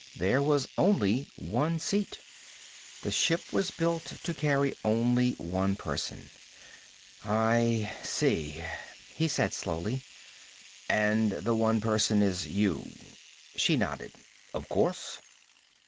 There was only one seat. The ship was built to carry only one person. "I see," he said slowly. "And the one person is you." She nodded. "Of course."